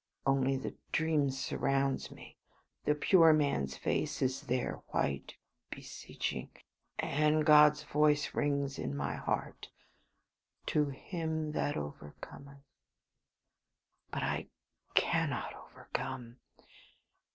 Only the dream surrounds me; the pure man's face is there, white, beseeching, and God's voice rings in my heart "To him that overcometh." But I cannot overcome.